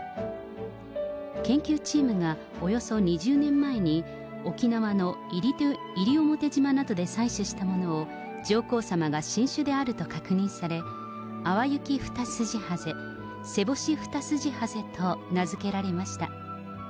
研究チームがおよそ２０年前に、沖縄の西表島などで採取したものを上皇さまが新種であると確認され、アワユキフタスジハゼ、セボシフタスジハゼと名付けられました。